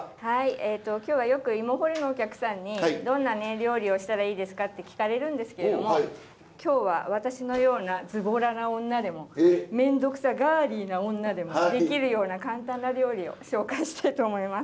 今日はよくいも掘りのお客さんにどんな料理をしたらいいですかって聞かれるんですけれども今日は私のようなズボラな女でもめんどくさガーリーな女でもできるような簡単な料理を紹介したいと思います。